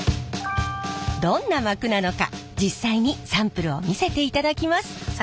どんな膜なのか実際にサンプルを見せていただきます。